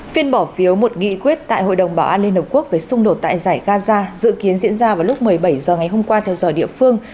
phiên bỏ phiếu một nghị quyết tại hội đồng bảo an liên hợp quốc về xung đột tại giải gaza dự kiến diễn ra vào lúc một mươi bảy h ngày hôm qua theo giờ địa phương